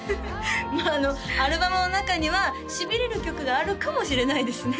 まあアルバムの中にはシビれる曲があるかもしれないですね